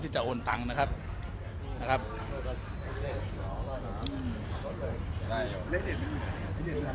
ที่จะโอนตังนะครับนะฮะ